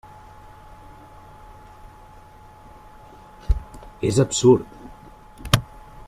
És absurd!